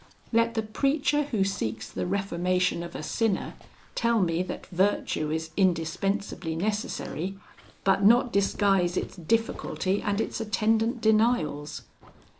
"'Let the preacher who seeks the reformation of a sinner tell me that virtue is indispensably necessary, but not disguise its difficulty and its attendant denials.